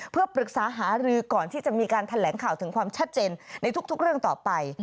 เพื่อปรึกษาหารือก่อนที่จะมีการแถลงข่าวถึงความชัดเจนในทุกเรื่องต่อไป